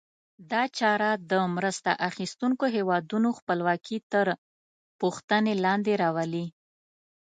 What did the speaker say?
دا چاره د مرسته اخیستونکو هېوادونو خپلواکي تر پوښتنې لاندې راولي.